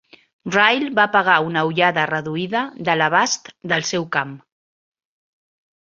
Ryle va pegar una ullada reduïda de l'abast del seu camp.